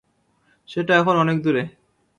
সেটা এখন অনেক দূরে।